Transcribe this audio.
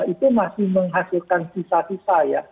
itu masih menghasilkan kisah kisah ya